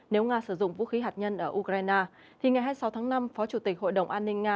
nếu nga sử dụng vũ khí hạt nhân ở ukraine thì ngày hai mươi sáu tháng năm phó chủ tịch hội đồng an ninh nga